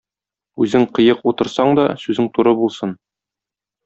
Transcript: Үзең кыек утырсаң да, сүзең туры булсын.